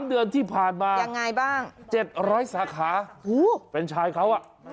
๓เดือนที่ผ่านมา๗๐๐สาขาแฟรนชายเขา